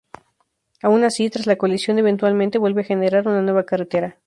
Aun así, tras la colisión eventualmente vuelve a generar una nueva carretera.